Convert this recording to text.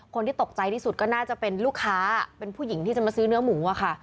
คนที่ตกใจที่สุดก็น่าจะเป็นลูกค้าเป็นผู้หญิงที่จะมาซื้อเนื้อหมูอะค่ะ